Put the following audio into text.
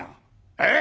「えっ！？